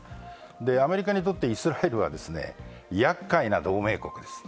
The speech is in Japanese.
アメリカにとってイスラエルはやっかいな同盟国です。